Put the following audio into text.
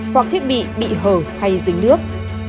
hoặc thiết bị bị hở hay dính nước